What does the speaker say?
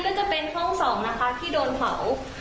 ก็จะเป็นห้อง๒นะคะที่โดนเผา